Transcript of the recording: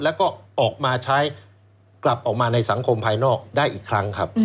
แล้วก็ออกมาใช้กลับออกมาในสังคมภายนอกได้อีกครั้งครับ